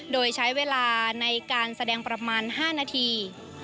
โดยใช้เวลาในการแสดงประมาณ๕นาที